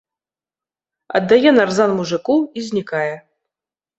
Аддае нарзан мужыку і знікае.